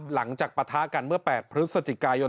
หลังจากประทะกันเมื่อ๘พฤศจิกายน